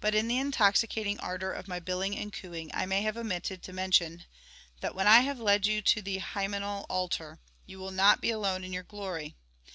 But in the intoxicating ardour of my billing and cooing I may have omitted to mention that, when I have led you to the Hymeneal altar, you will not be alone in your glory.